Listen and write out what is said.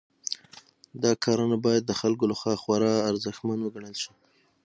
دا کارونه باید د خلکو لخوا خورا ارزښتمن وګڼل شي.